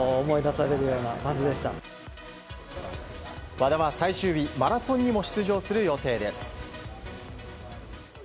和田は最終日マラソンにも出場する予定です。